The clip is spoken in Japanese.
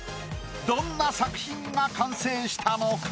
どんな作品が完成したのか？